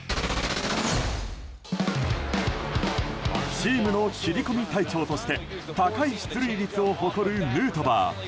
チームの切り込み隊長として高い出塁率を誇るヌートバー。